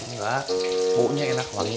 enggak muhunya enak wangi